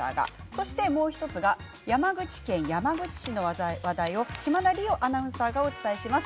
そしてもう１つは山口県山口市の話題を島田莉生アナウンサーがお伝えします。